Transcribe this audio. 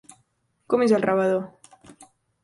Com és el rebedor?